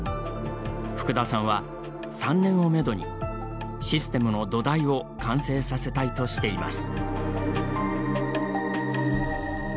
福田さんは、３年をめどにシステムの土台を完成させたいとしています。